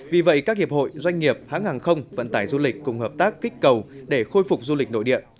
vì vậy các hiệp hội doanh nghiệp hãng hàng không vận tải du lịch cùng hợp tác kích cầu để khôi phục du lịch nội địa